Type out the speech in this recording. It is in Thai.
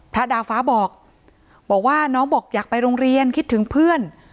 พระดาฟ้าบอกบอกว่าน้องบอกอยากไปโรงเรียนคิดถึงเพื่อน